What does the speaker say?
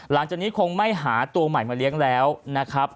หลังจากนี้คงไม่หาตัวใหม่มาเลี้ยงแล้วนะครับ